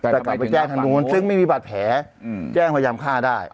แต่กลับไปแจ้งทางนู้นซึ่งไม่มีบาดแผลแจ้งพยายามฆ่าได้